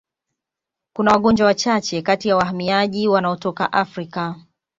Kuna wagonjwa wachache kati ya wahamiaji wanaotoka Afrika